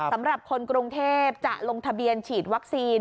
สำหรับคนกรุงเทพจะลงทะเบียนฉีดวัคซีน